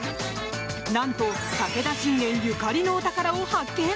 何と武田信玄ゆかりのお宝を発見！